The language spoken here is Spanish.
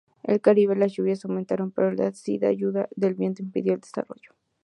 En el Caribe, las lluvias aumentaron, pero la cizalladura del viento impidió el desarrollo.